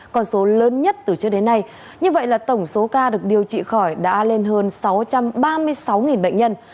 con số lớn nhất từ trước đến nay như vậy là tổng số ca được điều trị khỏi đã lên hơn sáu trăm ba mươi sáu bệnh nhân